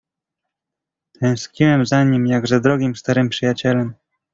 "Tęskniłem za nim jak za drogim starym przyjacielem."